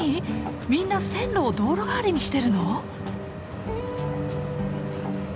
みんな線路を道路代わりにしてるの？